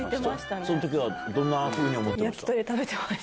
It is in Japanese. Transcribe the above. その時はどんなふうに思ってました？